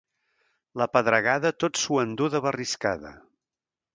La pedregada tot s'ho enduu de barriscada.